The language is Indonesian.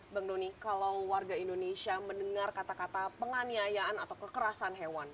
bang doni kalau warga indonesia mendengar kata kata penganiayaan atau kekerasan hewan